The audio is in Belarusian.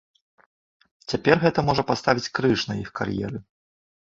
Цяпер гэта можа паставіць крыж на іх кар'еры.